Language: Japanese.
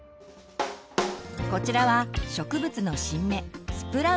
こちらは植物の新芽スプラウトです。